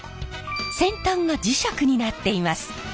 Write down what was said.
先端が磁石になっています。